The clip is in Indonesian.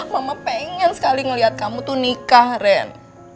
mama pengen sekali ngelihat kamu tuh nikah ren